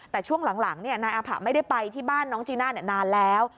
แต่ช่วงหลังนายอาผะไม่ได้ไปที่บ้านน้องจีน่านานแล้ว